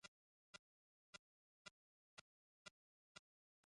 একদিন উভয়ে পরিণয়সূত্রে আবদ্ধ হইয়াছিলেন, মূত্যুর পরও সেই সংযোগ তাঁহাদের ছিন্ন হইবার নয়।